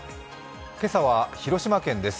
今朝は広島県です。